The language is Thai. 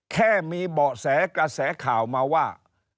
แค่มีเบาะแสกระแสข่าวมาว่า